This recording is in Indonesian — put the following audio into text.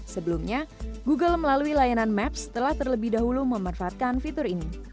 sebelumnya google melalui layanan maps telah terlebih dahulu memanfaatkan fitur ini